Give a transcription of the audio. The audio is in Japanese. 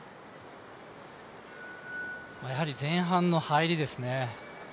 やはり前半の入りですね。